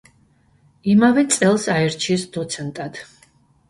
იმავე წელს აირჩიეს დოცენტად.